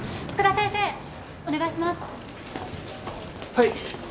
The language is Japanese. はい。